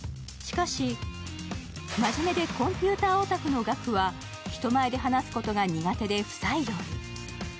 しかし、真面目でコンピューターオタクのガクは人前で話すことが苦手で不採用。